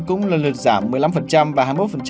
cũng lần lượt giảm một mươi năm và hai mươi một